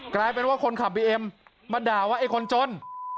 กลายเป็นว่าคนขับบีเอ็มมาด่าว่าไอ้คนจน